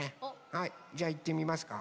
はいじゃあいってみますか。